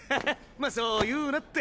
まあそう言うなって。